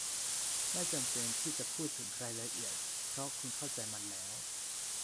ไม่จำเป็นที่จะพูดถึงรายละเอียด เพราะคุณเข้าใจมันแล้ว